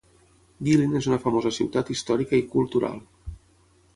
Guilin és una famosa ciutat històrica i cultural.